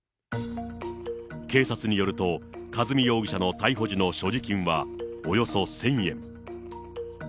警察によると、和美容疑者の逮捕時の所持金はおよそ１０００円。